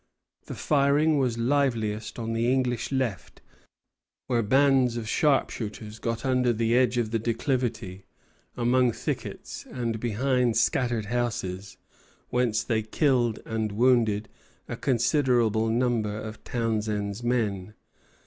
The firing was liveliest on the English left, where bands of sharpshooters got under the edge of the declivity, among thickets, and behind scattered houses, whence they killed and wounded a considerable number of Townshend's men.